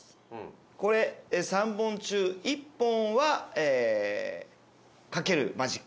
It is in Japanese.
これ３本中１本は書けるマジック。